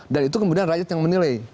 itu kemudian rakyat yang menilai